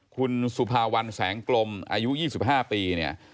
คุณสุภาวัลแสงกลมอายุ๒๕ปี